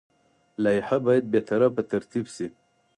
لایحه باید بې طرفه ترتیب شي.